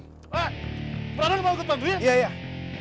eh brother mau ikut bantuin